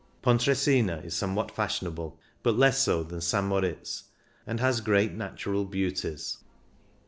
Pon tresina is somewhat fashionable, but less so than St. Moritz, and has great natural beauties.